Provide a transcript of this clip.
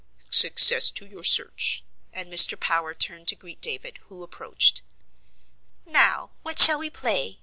"Success to your search," and Mr. Power turned to greet David, who approached. "Now, what shall we play?"